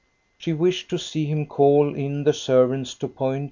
She wished to see him call in the servants to point